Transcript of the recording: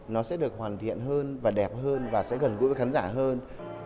nó sẽ được hoàn thiện hơn và đẹp hơn và sẽ gần gũi với khán giả hơn